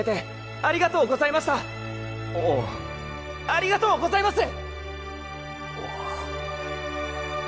ありがとうございます！